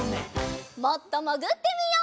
もっともぐってみよう。